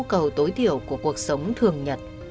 họ đảm bảo cho những nhu cầu tối tiểu của cuộc sống thường nhật